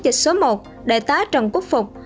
dịch số một đại tá trần quốc phục